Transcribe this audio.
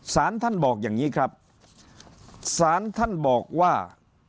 สารท่านบอกอย่างนี้ครับศาลท่านบอกว่า